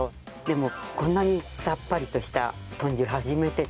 でもこんなにさっぱりとした豚汁初めて。